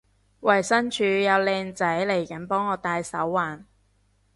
衛生署有靚仔嚟緊幫我戴手環